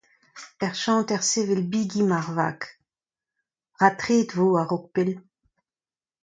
Er chanter sevel bigi emañ ar vag, ratreet e vo a-raok pell.